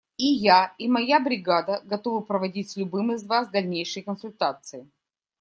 И я, и моя бригада готовы проводить с любым из вас дальнейшие консультации.